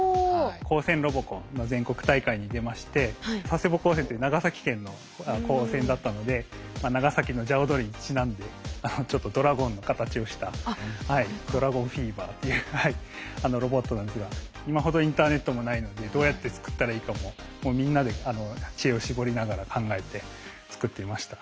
高専ロボコンの全国大会に出まして佐世保高専という長崎県の高専だったので長崎の龍踊りにちなんでちょっとドラゴンの形をしたドラゴンフィーバーというロボットなんですが今ほどインターネットもないのでどうやって作ったらいいかももうみんなで知恵を絞りながら考えて作っていました。